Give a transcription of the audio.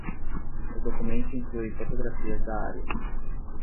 O documento inclui fotografias da área.